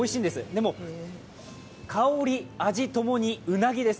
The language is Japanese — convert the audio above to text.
でも、香り、味ともに鰻です